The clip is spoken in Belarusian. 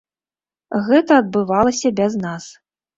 Гэта адбывалася без нас.